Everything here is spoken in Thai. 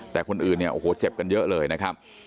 แต่คนอื่นเนี่ยโอ้โหเจ็บกันเยอะเลยนะครับ